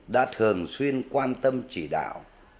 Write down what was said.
đã thường xuyên quan tâm chỉ đạo